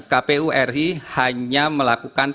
kpu ri hanya melakukan